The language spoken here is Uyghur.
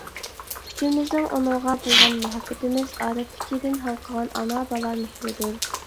ئۈچىمىزنىڭ ئۇنىڭغا بولغان مۇھەببىتىمىز ئادەتتىكىدىن ھالقىغان ئانا بالا مېھرىدۇر.